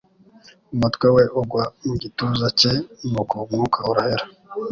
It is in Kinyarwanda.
Umutwe we ugwa mu gituza cye nuko umwuka urahera.